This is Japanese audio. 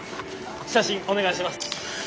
写真お願いします。